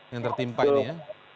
yang tertimpai ini ya